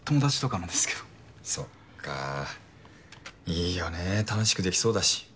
いいよね楽しくできそうだし。